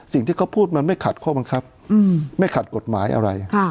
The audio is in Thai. สิ่งที่เขาพูดมันไม่ขัดข้อบังคับไม่ขัดกฎหมายอะไร